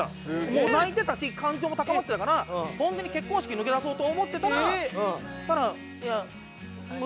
もう泣いてたし感情も高まってたから本当に結婚式抜け出そうと思ってたら「いや無理です」って言われて。